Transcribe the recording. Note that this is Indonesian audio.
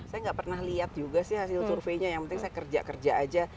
saya nggak pernah lihat juga sih hasil surveinya yang penting saya kerja kerja aja